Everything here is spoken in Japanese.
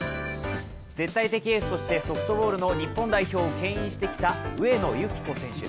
絶対的エースとしてソフトボールの日本代表をけん引してきた上野由岐子選手。